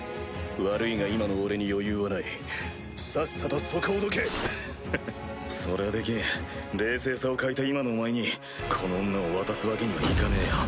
悪いが今の俺に余裕はないさっさとそこをどけ！へへっそれはできん冷静さを欠いた今のお前にこの女を渡すわけにはいかねえよ。